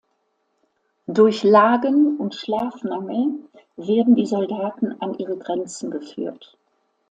Durch Lagen und Schlafmangel werden die Soldaten an ihre Grenzen geführt.